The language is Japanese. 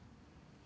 え？